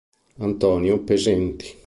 Antonio Pesenti